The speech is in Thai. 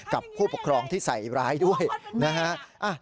กับผู้ปกครองที่ใส่ร้ายด้วยนะฮะ